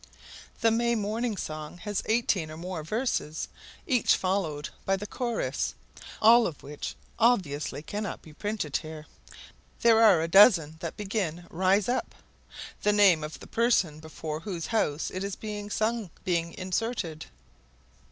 The May Morning Song has eighteen or more verses each followed by the chorus all of which obviously cannot be printed here. There are a dozen that begin "Rise up...," the name of the person before whose house it is being sung being inserted.